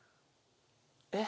えっ？